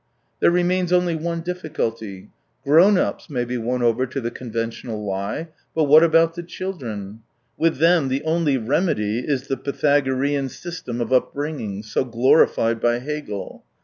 There remains only one difficulty : grown ups may be won over to the conventional lie, but what about the children ? With them the only remedy is the Pythagorean system of upbringing, so glorified by Hegel.